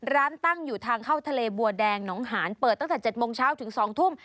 ตั้งอยู่ทางเข้าทะเลบัวแดงหนองหานเปิดตั้งแต่๗โมงเช้าถึง๒ทุ่ม